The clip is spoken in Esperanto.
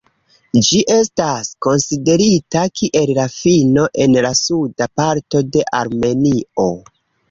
Ĝi estas konsiderita kiel la fino en la suda parto de Armenio.